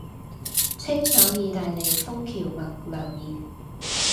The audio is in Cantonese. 清爽義大利風蕎麥涼麵